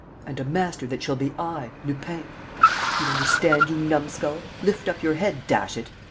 And a master that shall be I, Lupin! Do you understand, you numskull? Lift up your head, dash it!